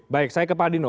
baik saya ke pak adino